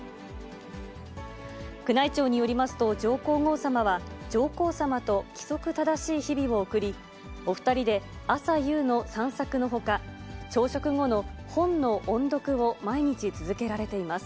宮内庁によりますと、上皇后さまは上皇さまと規則正しい日々を送り、お２人で朝夕の散策のほか、朝食後の本の音読を毎日続けられています。